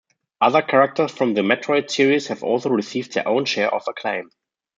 Other characters from the "Metroid" series have also received their own share of acclaim.